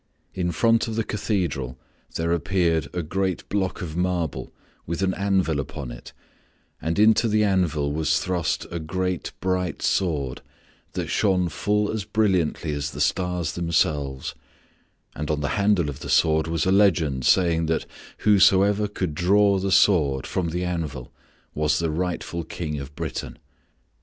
In front of the cathedral there appeared a great block of marble with an anvil upon it, and into the anvil was thrust a great, bright sword that shone full as brilliantly as the stars themselves; and on the handle of the sword was a legend saying that whosoever could draw the sword from the anvil was the rightful King of Britain.